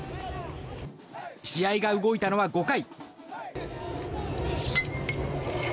試合が動いたのは５回。